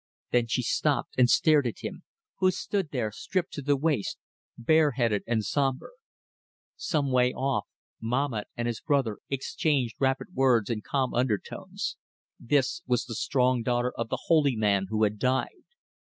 Then she stopped and stared at him who stood there, stripped to the waist, bare headed and sombre. Some way off, Mahmat and his brother exchanged rapid words in calm undertones. ... This was the strong daughter of the holy man who had died.